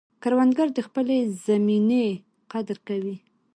کروندګر د خپلې زمینې قدر کوي